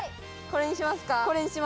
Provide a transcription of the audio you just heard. これにします。